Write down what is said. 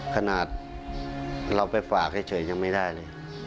ขนาดเราไปฝากเฉยยังไม่ได้เลย